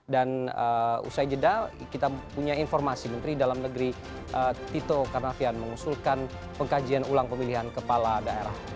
dan usai jeda kita punya informasi menteri dalam negeri tito karnavian mengusulkan pengkajian ulang pemilihan kepala daerah